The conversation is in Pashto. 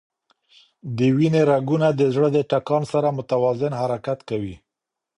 د وینې رګونه د زړه د ټکان سره متوازن حرکت کوي.